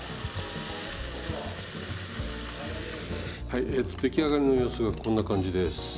はいえと出来上がりの様子がこんな感じです。